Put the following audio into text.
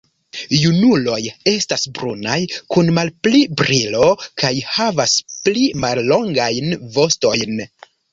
Junuloj estas brunaj kun malpli brilo kaj havas pli mallongajn vostojn.